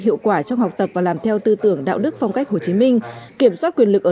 hiệu quả trong học tập và làm theo tư tưởng đạo đức phong cách hồ chí minh kiểm soát quyền lực ở